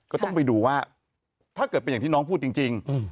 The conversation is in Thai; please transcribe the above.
ก็ต้องไปดูว่าถ้าเกิดเป็นอย่างที่น้องพูดจริง